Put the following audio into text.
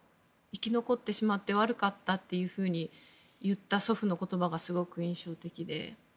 生き残ってしまって悪かったっていうふうに言った祖父の言葉がすごく印象的で。